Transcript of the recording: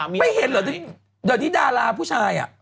ไม่เห็นเหรอเดี๋ยวนี้ดาราผู้ชาย